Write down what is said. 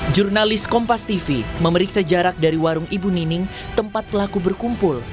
jurnalis kompas tv memeriksa jarak dari warung ibu nining tempat pelaku berkumpul